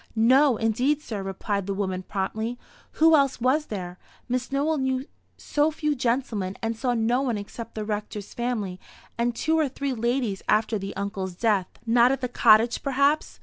"No, indeed, sir," replied the woman, promptly. "Who else was there? Miss Nowell knew so few gentlemen, and saw no one except the Rector's family and two or three ladies after the uncle's death." "Not at the cottage, perhaps.